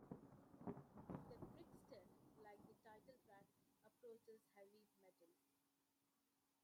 "The Trickster", like the title track, approaches heavy metal.